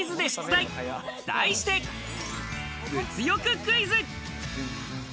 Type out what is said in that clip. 題して物欲クイズ！